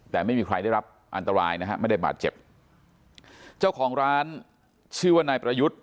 แต่ไม่มีใครได้รับอันตรายนะฮะไม่ได้บาดเจ็บเจ้าของร้านชื่อว่านายประยุทธ์